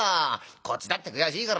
こっちだって悔しいからね